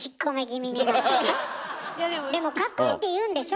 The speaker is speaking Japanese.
でも「かっこいい」って言うんでしょ？